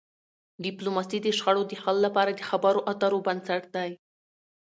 ډيپلوماسي د شخړو د حل لپاره د خبرو اترو بنسټ دی.